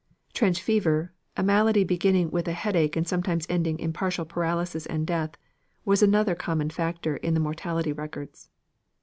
Trench fever, a malady beginning with a headache and sometimes ending in partial paralysis and death, was another common factor in the mortality records.